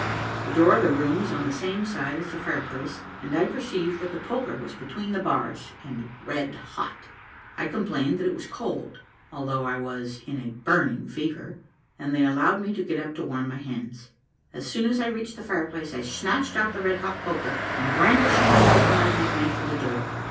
The door of the room was on the same side as the fire place, and I perceived that the poker was between the bars, and red hot. I complained that it was cold, although I was in a burning fever; and they allowed me to get up to warm my hands. As soon as I reached the fire place, I snatched out the red hot poker; and brandishing it over my head, made for the door.